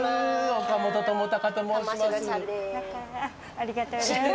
ありがとうございます。